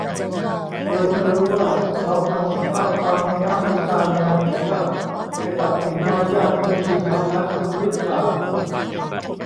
เลยไม่รู้ว่า เราเอาสภาพความ "ในน้ำมีปลาในนามีข้าว" ไปตัดสินมารยาทคนจีนพันล้านคนรึเปล่า